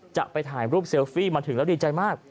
จะไปถ่ายรูปเซลฟี่มาถึงแล้วดีใจมาก